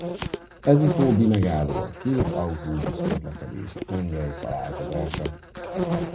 Ez utóbbi megálló a két autóbusz-közlekedési tengely találkozása.